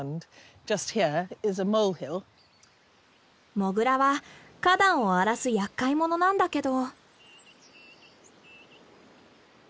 モグラは花壇を荒らすやっかい者なんだけど。